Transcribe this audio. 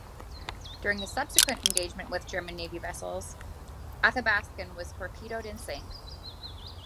During the subsequent engagement with German naval vessels, "Athabaskan" was torpedoed and sank.